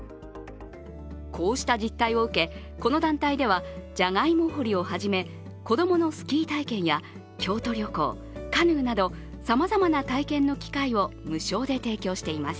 こうした実態を受け、この団体ではじゃがいも掘りをはじめ子供のスキー体験や京都旅行、カヌーなど、さまざまな体験の機会を無償で提供しています。